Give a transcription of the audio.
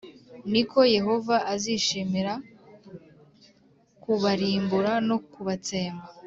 ni ko yehova azishimira kubarimbura no kubatsemba.